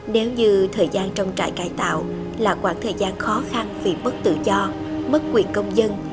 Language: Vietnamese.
nếu như thời gian trong trại cải tạo là khoảng thời gian khó khăn vì mất tự do mất quyền công dân